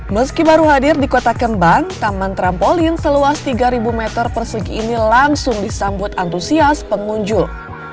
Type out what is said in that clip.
meski baru hadir di kota kembang taman trampolin seluas tiga meter persegi ini langsung disambut antusias pengunjung